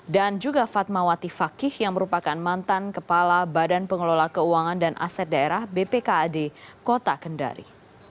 juga fatmawati fakih yang merupakan mantan kepala badan pengelola keuangan dan aset daerah bpkad kota kendari